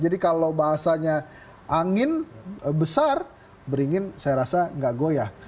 jadi kalau bahasanya angin besar beringin saya rasa nggak goyah